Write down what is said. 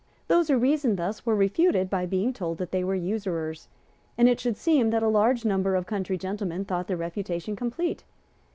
Those who reasoned thus were refuted by being told that they were usurers; and it should seem that a large number of country gentlemen thought the refutation complete.